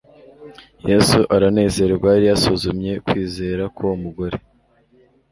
Yesu aranezerwa. Yari yasuzumye kwizera k'uwo mugore.